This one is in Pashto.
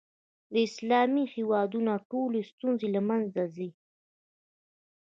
د اسلامي هېوادونو ټولې ستونزې له منځه ځي.